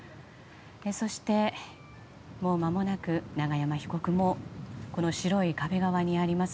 そして、もうまもなく永山被告もこの白い壁側にあります